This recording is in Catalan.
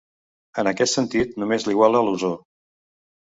En aquest sentit, només l'iguala l'ozó.